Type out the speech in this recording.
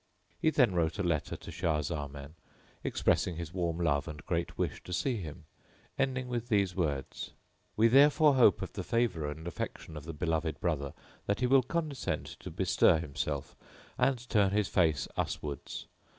He then wrote a letter to Shah Zaman expressing his warm love and great wish to see him, ending with these words, "We therefore hope of the favour and affection of the beloved brother that he will condescend to bestir himself and turn his face us wards.